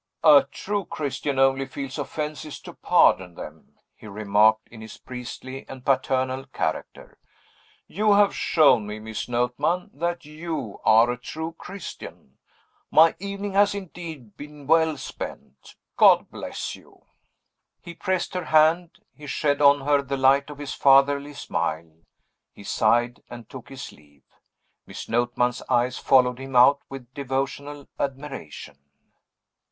"A true Christian only feels offenses to pardon them," he remarked, in his priestly and paternal character. "You have shown me, Miss Notman, that you are a true Christian. My evening has indeed been well spent. God bless you!" He pressed her hand; he shed on her the light of his fatherly smile; he sighed, and took his leave. Miss Notman's eyes followed him out with devotional admiration.